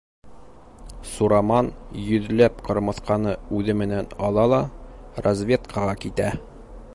Сураман йөҙләп ҡырмыҫҡаны үҙе менән ала ла разведкаға китә.